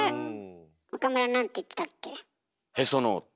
岡村なんて言ってたっけ？